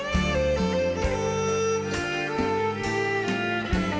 ข้างฝา